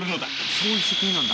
「そういう仕組みなんだ」